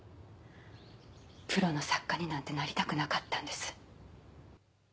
プロの作家になんてなりたくなかったんです。